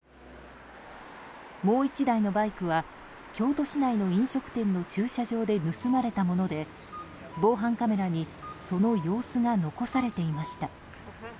もう１台のバイクは京都市内の飲食店の駐車場で盗まれたもので防犯カメラにその様子が残されていました。